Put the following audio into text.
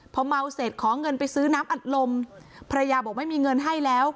พอเมาเสร็จขอเงินไปซื้อน้ำอัดลมภรรยาบอกไม่มีเงินให้แล้ว